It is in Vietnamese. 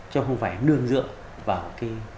chứ không phải nương dựa vào cái